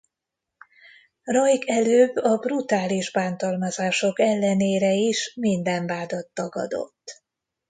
Rajk előbb a brutális bántalmazások ellenére is minden vádat tagadott.